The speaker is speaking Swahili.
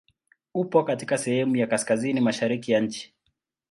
Upo katika sehemu ya kaskazini mashariki ya nchi.